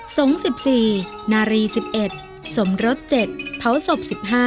๑๔นารี๑๑สมรส๗เผาศพ๑๕